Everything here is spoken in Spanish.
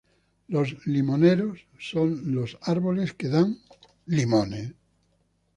Los limoneros son los árboles que dan limones.